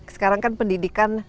sekarang kan pendidikan